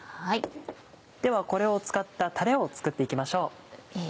ではこれを使ったたれを作って行きましょう。